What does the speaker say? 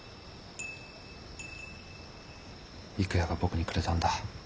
郁弥が僕にくれたんだ。